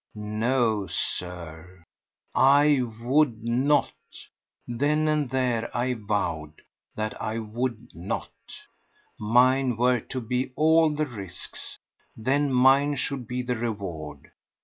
No, Sir; I would not! Then and there I vowed that I would not! Mine were to be all the risks; then mine should be the reward!